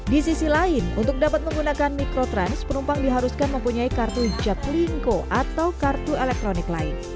di sisi lain untuk dapat menggunakan mikrotrans penumpang diharuskan mempunyai kartu jaklinko atau kartu elektronik lain